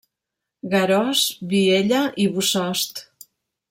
Garòs, Viella i Bossòst.